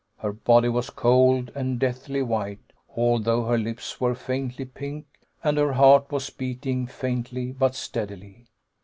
Her body was cold, and deathly white, although her lips were faintly pink, and her heart was beating, faintly but steadily.